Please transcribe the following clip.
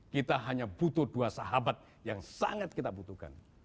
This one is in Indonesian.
kita hanya butuh dua sahabat yang sangat kita butuhkan